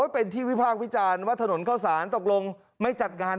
เป็นที่วิพากษ์วิจารณ์ว่าถนนเข้าสารตกลงไม่จัดงาน